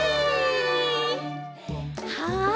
はい。